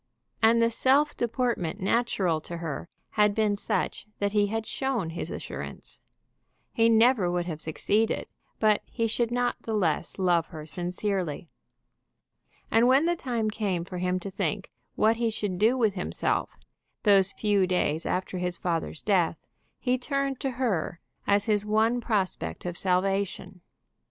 And the self deportment natural to her had been such that he had shown his assurance. He never would have succeeded; but he should not the less love her sincerely. And when the time came for him to think what he should do with himself, those few days after his father's death, he turned to her as his one prospect of salvation.